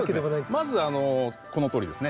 まずこのとおりですね。